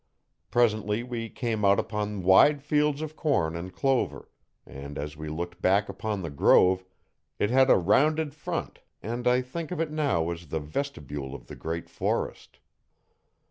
Presently we came out upon wide fields of corn and clover, and as we looked back upon the grove it had a rounded front and I think of it now as the vestibule of the great forest.